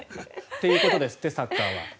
ということですってサッカーは。